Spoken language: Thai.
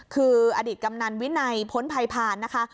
คืออดีตกำนันวินัยพ้นภัยพานนะคะ